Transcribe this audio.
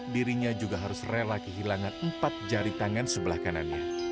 dirinya juga harus rela kehilangan empat jari tangan sebelah kanannya